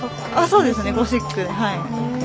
そうですねゴシック。